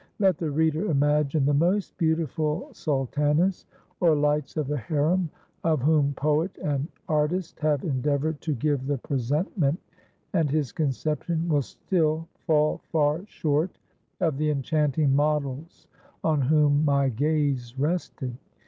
Let the reader imagine the most beautiful sultanas, or 'lights of the harem,' of whom poet and artist have endeavoured to give the presentment, and his conception will still fall far short of the enchanting models on whom my gaze rested.